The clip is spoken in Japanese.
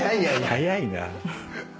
早いな。